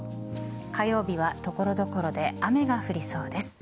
火曜日は所々で雨が降りそうです。